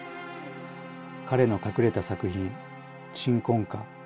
彼の隠れた作品「鎮魂歌」。